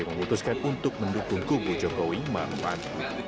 memutuskan untuk mendukung kubu jokowi mahapad